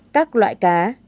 các loại cá